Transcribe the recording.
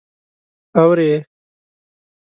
_اورې؟